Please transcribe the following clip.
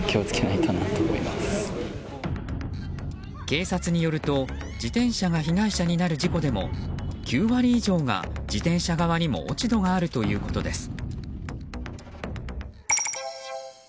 警察によると自転車が被害者になる事故でも９割以上が自転車側にも落ち度があるということです。